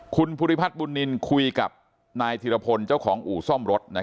คุณภูริพัฒน์บุญนินคุยกับนายธิรพลเจ้าของอู่ซ่อมรถ